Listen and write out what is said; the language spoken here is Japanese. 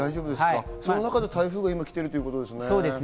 その中で台風が今、来てるということですね。